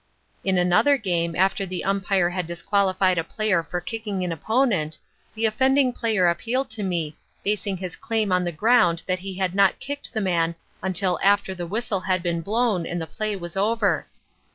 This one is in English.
"In another game after the umpire had disqualified a player for kicking an opponent, the offending player appealed to me, basing his claim on the ground that he had not kicked the man until after the whistle had been blown and the play was over.